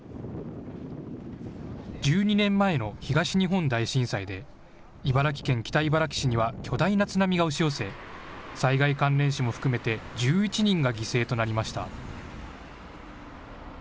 １２年前の東日本大震災で茨城県北茨城市には巨大な津波が押し寄せ、災害関連死も含めて１１人が犠牲となりました。